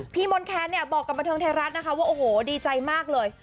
มนแคนเนี่ยบอกกับบันเทิงไทยรัฐนะคะว่าโอ้โหดีใจมากเลย